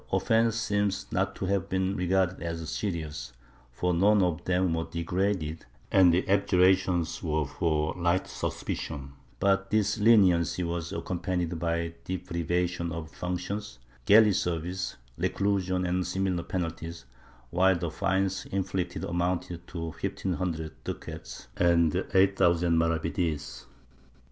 24 MYSTICISM [Book VIII offence seems not to have been regarded as serious, for none of them were degraded, and the abjurations were for Hght suspicion, but this leniency was accompanied by deprivation of functions, galley service, reclusion and similar penalties, while the fines inflicted amounted to fifteen hundred ducats and eight thousand maravedis.